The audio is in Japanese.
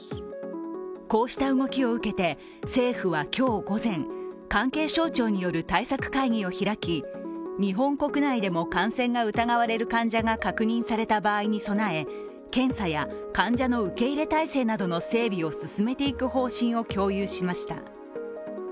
こうした動きを受けて政府は今日午前、関係省庁による対策会議を開き、日本国内でも感染が疑われる患者が確認された場合に備え、検査や患者の受け入れ体制などの整備を進めていく方針を共有しました。